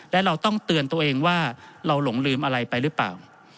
และเราต้องเตือนตัวเองว่าเราหลงลืมอะไรไปหรือเปล่า